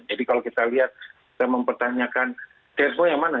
jadi kalau kita lihat kita mempertanyakan terorisme yang mana